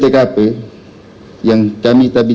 tergantung dengan semua explanir